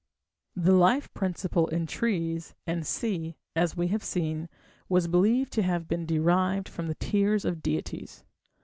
The life principle in trees, &c., as we have seen, was believed to have been derived from the tears of deities.